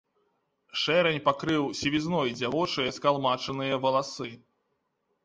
Шэрань пакрыў сівізной дзявочыя скалмачаныя валасы.